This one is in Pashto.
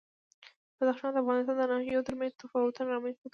بدخشان د افغانستان د ناحیو ترمنځ تفاوتونه رامنځ ته کوي.